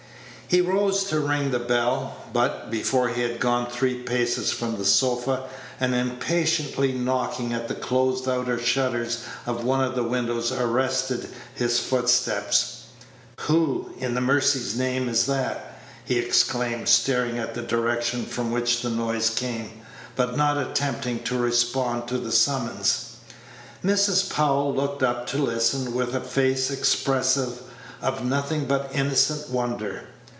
He rose to ring the bell; but, before he had gone three paces from the sofa, an impatient knocking at the closed outer shutters of one of the windows arrested his footsteps. "Who, in mercy's name, is that?" he exclaimed, staring at the direction from which the noise came, but not attempting to respond to the summons. Mrs. Powell looked up to listen, with a face expressive of nothing but innocent wonder.